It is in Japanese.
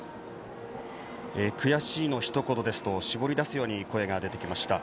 悔しいのひと言ですとしぼり出すように声が出てきました。